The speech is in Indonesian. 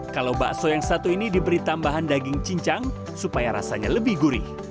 kalau bakso yang satu ini diberi tambahan daging cincang supaya rasanya lebih gurih